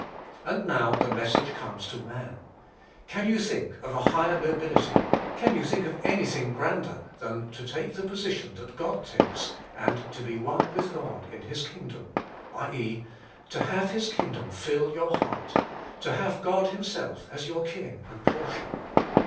And now the message comes to man. Can you think of a higher nobility; can you think of anything grander than to take the position that God takes, and to be one with God in His Kingdom; /.^., to have His Kingdom fill your heart; to have God Himself as your King and portion?